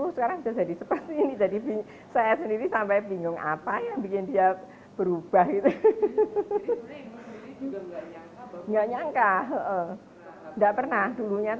sweak swag sekali orangnya